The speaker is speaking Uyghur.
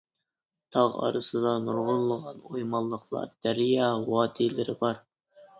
تاغ ئارىسىدا نۇرغۇنلىغان ئويمانلىقلار، دەريا ۋادىلىرى بار.